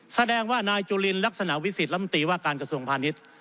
แสดงว่านายจุลินลักษณะวิสิตลำตีว่าการกระทรวงพาณิชย์